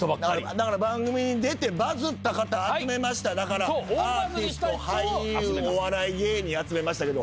だから番組に出てバズった方集めましただからアーティスト俳優お笑い芸人集めましたけど。